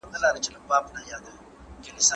د هغه کتاب العبر په ټوله نړۍ کي شهرت لري.